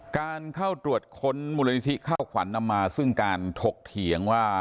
การเข้าตรวจค้นมูลนิธิข้าวขวัญนำมาซึ่งการถกเถียงว่า